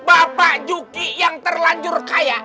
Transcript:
bapak juki yang terlanjur kaya